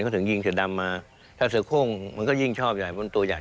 เขาถึงยิงเสือดำมาถ้าเสือโค้งมันก็ยิ่งชอบใหญ่มันตัวใหญ่